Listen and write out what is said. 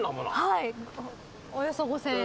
はいおよそ５，０００円。